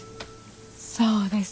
そうです。